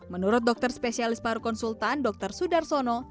menurut dokter spesialis paru konsultan dr sudarsono